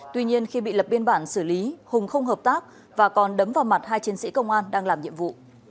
tuy nhiên khi bị lập biên bản xử lý hùng không hợp tác và còn đấm vào mặt hai chiến sĩ công an đang làm nhiệm vụ